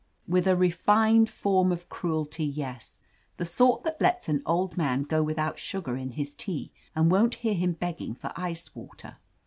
*With a refined form of cruelty, yes. The sort that lets an old man go without sugar in his tea, and won't hear him begging for ice water."